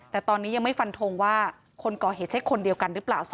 แต่ตอนนี้ยังไม่ฟันทงว่าคนก่อเหตุใช่คนเดียวกันหรือเปล่า